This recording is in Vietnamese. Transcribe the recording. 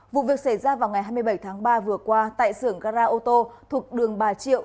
vụ việc xảy ra vào ngày hai mươi bảy tháng ba vừa qua tại xưởng gara ô tô thuộc đường bà triệu